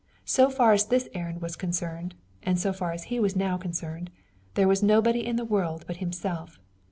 So far as this errand was concerned, and so far as he was now concerned, there was nobody in the world but himself.